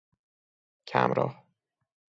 کم راه